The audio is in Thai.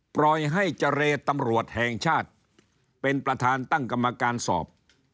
ปล่อยให้เจรตำรวจแห่งชาติเป็นประธานตั้งกรรมการสอบ